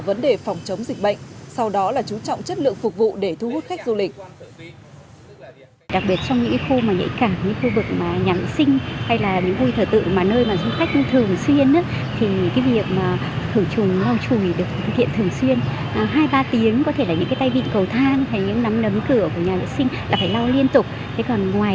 vấn đề phòng chống dịch bệnh sau đó là chú trọng chất lượng phục vụ để thu hút khách du lịch